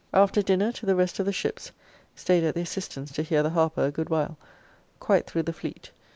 After dinner, to the rest of the ships (staid at the Assistance to hear the harper a good while) quite through the fleet.